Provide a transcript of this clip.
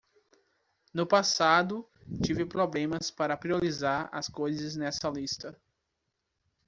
No passado, tive problemas para priorizar as coisas nessa lista.